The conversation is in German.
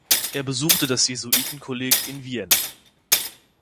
Er besuchte das Jesuitenkolleg in Vienne.